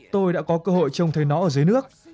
tôi đã có cơ hội trông thấy nó ở dưới nước